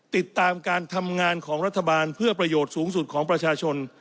ติดตามการทำงานของรัฐบาลเพื่อประโยชน์สูงสุดของประชาชน